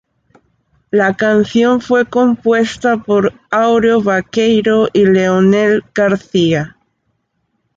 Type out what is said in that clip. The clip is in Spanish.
La canción fue compuesta por Áureo Baqueiro y Leonel García.